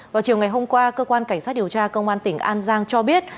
vào chiều ngày hôm qua cơ quan cảnh sát điều tra công an tỉnh an giang cho biết